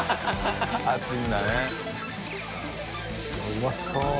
うまそう！